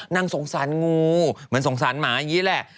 สงสารงูเหมือนสงสารหมาอย่างนี้แหละ